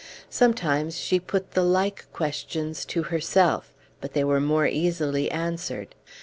Sometimes she put the like questions to herself; but they were more easily answered.